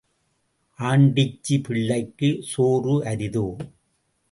ஆண்டிச்சி பிள்ளைக்குச் சோறு அரிதோ?